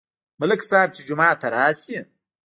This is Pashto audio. ملک صاحب چې جومات ته راشي،